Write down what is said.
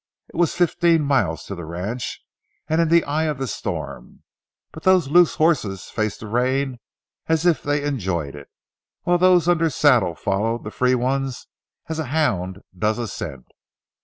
It was fifteen miles to the ranch and in the eye of the storm; but the loose horses faced the rain as if they enjoyed it, while those under saddle followed the free ones as a hound does a scent.